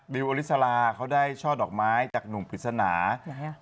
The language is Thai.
ดิวอลิสราเค้าได้ดอกไม้จากหนุ่มปริศนานี่ไง